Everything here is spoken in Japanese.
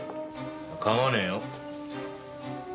構わねえよ。